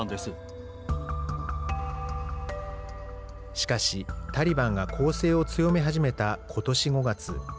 しかし、タリバンが攻勢を強め始めたことし５月。